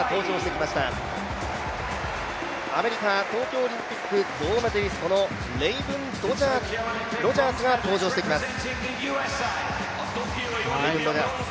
アメリカ、東京オリンピック銅メダリストのレイブン・ロジャースが登場してきます。